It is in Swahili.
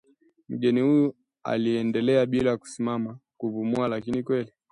Mgeni huyu aliendelea bila kusimama kupumua "Lakini kweli"